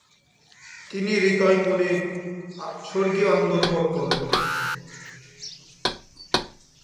তিনি হৃতয় মনে স্বর্গীয় আনন্দ অনুভব করলেন।